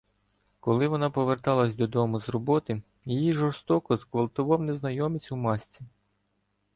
Коли вона поверталась додому з роботи, її жорстоко зґвалтував незнайомець у масці.